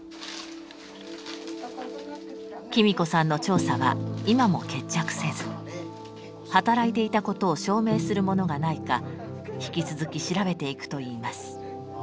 喜美子さんの調査は今も決着せず働いていたことを証明するものがないか引き続き調べていくといいます。